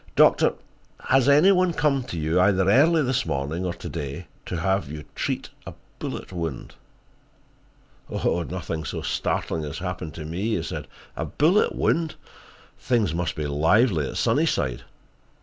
Doctor, has any one come to you, either early this morning or to day, to have you treat a bullet wound?" "Nothing so startling has happened to me," he said. "A bullet wound! Things must be lively at Sunnyside."